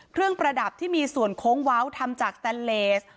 ประดับที่มีส่วนโค้งเว้าทำจากแตนเลส